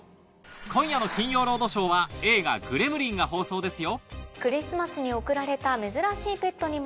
今夜の『金曜ロードショー』は映画『グレムリン』が放送ですよ